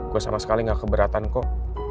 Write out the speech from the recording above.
gue sama sekali gak keberatan kok